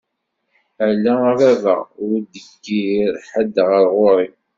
Ala a baba ur d-igir ḥed ɣer ɣur-i.